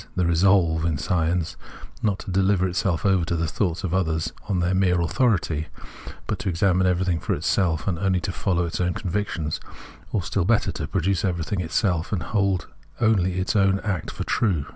: the resolve, in science, not to dehver itself over to the thoughts of others on their mere authority, but to examine everything for itself, and only follow its own conviction, or, still better, to produce everything itself and hold only its own act for true.